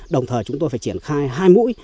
đồng thời chúng tôi phải triển khai hai mũi